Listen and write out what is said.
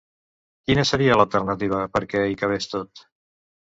Quina seria l'alternativa perquè hi cabés tot?